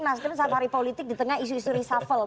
nasdem safari politik di tengah isu isu reshuffle